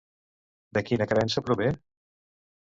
De quina creença prové?